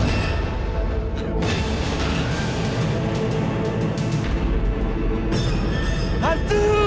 bukankah dia kecil